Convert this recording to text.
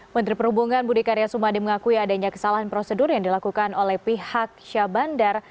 menteri perhubungan budi karya sumadi mengakui adanya kesalahan prosedur yang dilakukan oleh pihak syah bandar